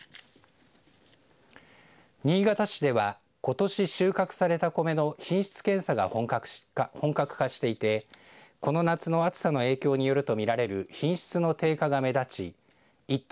新潟市ではことし収穫されたコメの品質検査が本格化していてこの夏の暑さの影響によると見られる品質の低下が目立ち１等